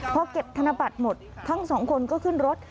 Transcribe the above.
พอเก็บธนบัตรหมดทั้งสองคนก็ขึ้นรถ